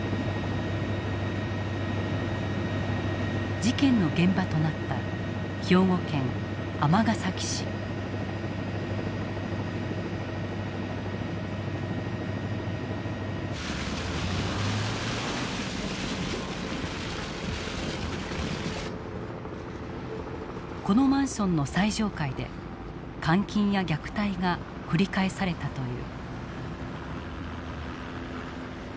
事件の現場となったこのマンションの最上階で監禁や虐待が繰り返されたという。